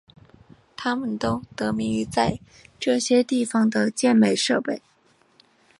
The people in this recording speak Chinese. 它们都得名于在这些地方的健美设备。